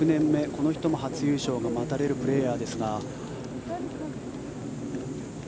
この人も初優勝の待たれるプレーヤーですが。